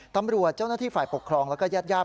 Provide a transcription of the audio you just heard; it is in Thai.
ตำรวจเจ้าหน้าที่ฝ่ายปกครองแล้วก็ญาติญาติ